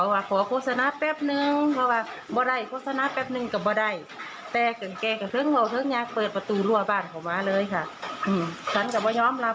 โหโหเนี่ยได้และบาดแผลด้วยนะคะ